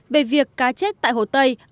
về việc cá chết tại hồ tây